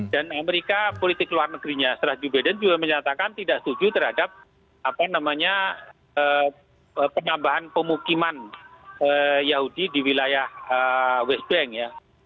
dan amerika politik luar negerinya serah jubeiden juga menyatakan tidak setuju terhadap penambahan pemukiman yahudi di wilayah west bank